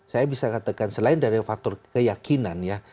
saya bisa katakan selain dari faktor keyakinan ya